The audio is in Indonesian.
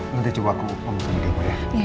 nanti coba aku panggilinmu ya